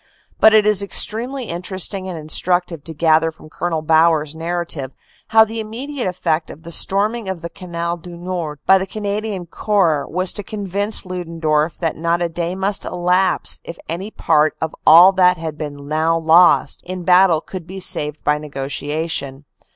But it is extremely interesting and instructive to gather from Col. Bauer s narra tive how the immediate effect of the storming of the Canal du Nord by the Canadian Corps was to convince Ludendorff that not a day must elapse if any part of all that had been now lost in battle could be saved by negotiation.